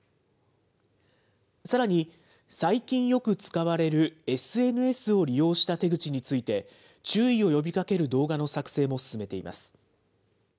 さらに、最近よく使われるＳＮＳを利用した手口について、注意を呼びかける動画の作成も進めています。